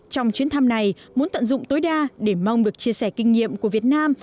trong chuyến thăm này muốn tận dụng tối đa để mong được chia sẻ kinh nghiệm của việt nam